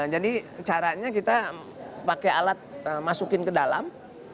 jadi caranya kita pakai alat masukin ke dalam